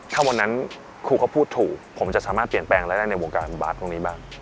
ถ้าวันนั้นครูเขาพูดถูกผมจะสามารถเปลี่ยนแปลงอะไรได้ในวงการบาสตรงนี้บ้าง